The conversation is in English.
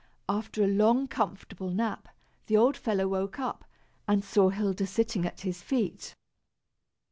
After a long, comfortable nap, the old fellow woke up, and saw Hilda sitting at his feet.